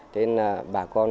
tên bà con